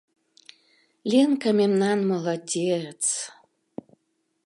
Ленка мемнан молодец!